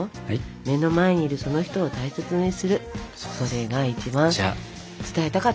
目の前にいるその人を大切にするそれが一番伝えたかったことなんだよ。